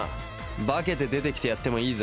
化けて出てきてやってもいいぜ。